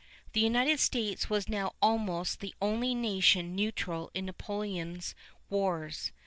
The United States was now almost the only nation neutral in Napoleon's wars.